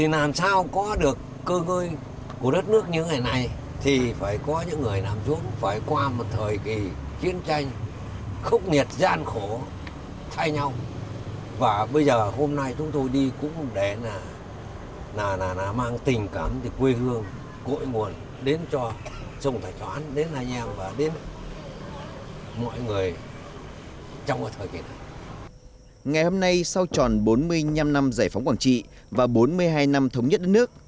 ngày hôm nay sau tròn bốn mươi năm năm giải phóng quảng trị và bốn mươi hai năm thống nhất đất nước